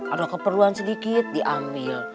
ada keperluan sedikit diambil